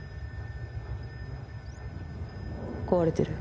壊れてる。